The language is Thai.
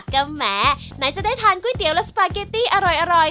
ก็แหมไหนจะได้ทานก๋วยเตี๋ยวและสปาเกตตี้อร่อย